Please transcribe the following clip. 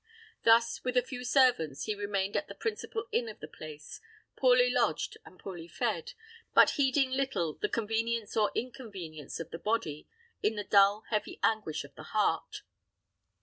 Thus, with a few servants, he remained at the principal inn of the place, poorly lodged, and poorly fed, but heeding little the convenience or inconvenience of the body in the dull, heavy anguish of the heart.